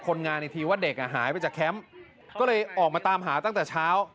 คนงานอีกทีว่าเด็กอ่ะหายไปจากแคมป์ก็เลยออกมาตามหาตั้งแต่เช้า